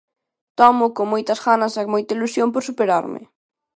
Tómoo con moitas ganas e moita ilusión por superarme.